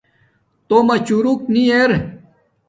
تومہ چوروک نی ار